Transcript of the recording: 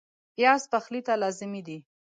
پیاز پخلي ته لازمي دی